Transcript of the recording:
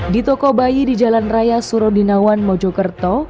di toko bayi di jalan raya surodinawan mojokerto